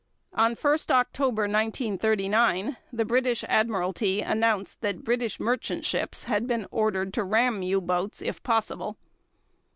On 1 October 1939 the British Admiralty announced that British merchant ships had been ordered to ram U boats if possible.